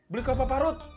beli kelapa parut